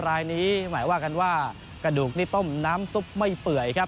รายนี้หมายว่ากันว่ากระดูกนี่ต้มน้ำซุปไม่เปื่อยครับ